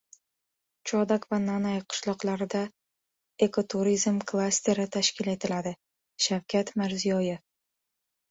Chodak va Nanay qishloqlarida ekoturizm klasteri tashkil etiladi – Shavkat Mirziyoyev